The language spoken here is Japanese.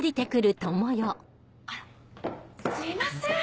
あらすいません。